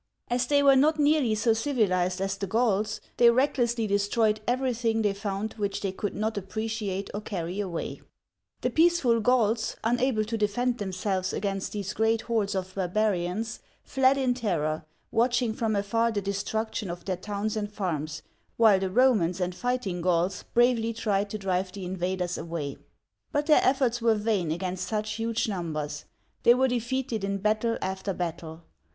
As they were not nearly so civilized as the Gauls, they recklessly destroyed everything they found which they could not appreciate or carry away. Barbarians invading Gaul. The peaceful Gauls, unable to defend themselves against these great hordes of barbarians, fled in terror, watching from afar the destruction of their towns and farms, while the Romans and fighting Gauls bravely tried to drive the invaders away. But their efforts were vain against such huge numbers ; they were defeated in battle after battle.